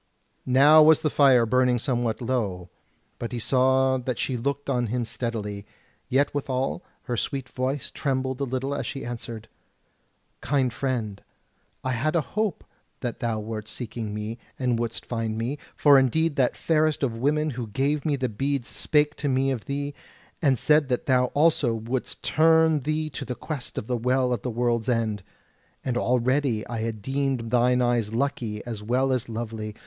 Now was the fire burning somewhat low, but he saw that she looked on him steadily; yet withal her sweet voice trembled a little as she answered: "Kind friend, I had a hope that thou wert seeking me and wouldst find me: for indeed that fairest of women who gave me the beads spake to me of thee, and said that thou also wouldst turn thee to the quest of the Well at the World's End; and already had I deemed thine eyes lucky as well as lovely.